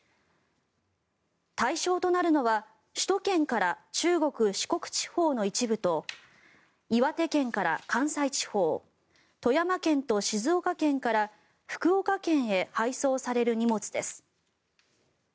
対象となるのは首都圏から中国・四国地方の一部と岩手県から関西地方富山県と静岡県から福岡県へ配送される荷物です。